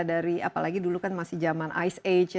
dari apalagi dulu kan masih zaman ice age